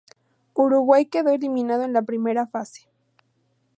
Uruguay quedó eliminado en la primera fase.